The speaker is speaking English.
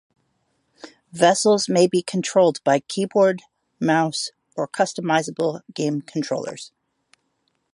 Vessels may be controlled by keyboard, mouse or customisable game controllers.